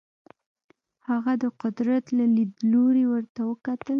هغه د قدرت له لیدلوري ورته وکتل.